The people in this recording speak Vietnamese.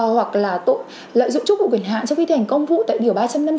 hoặc là tội lợi dụng chức vụ quyền hạn cho vi thể hành công vụ tại điều ba trăm năm mươi sáu